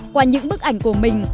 qua những bức ảnh của mình